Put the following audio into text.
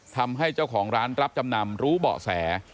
ทำให้เจ้าของร้านรับจำนำรู้เบาะแส